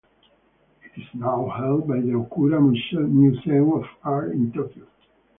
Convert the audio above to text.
It is now held by the Okura Museum of Art in Tokyo.